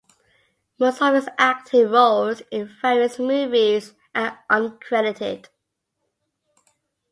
Most of his acting roles in various movies are uncredited.